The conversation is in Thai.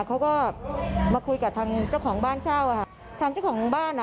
เขาก็มาคุยกับทางเจ้าของบ้านเช่าอ่ะค่ะทางเจ้าของบ้านอ่ะ